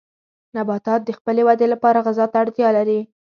نباتات د خپلې ودې لپاره غذا ته اړتیا لري.